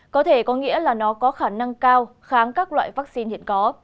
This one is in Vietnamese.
có thể có nghĩa là nó có khả năng cao kháng các loại vaccine hiện có